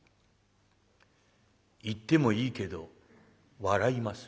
「言ってもいいけど笑います」。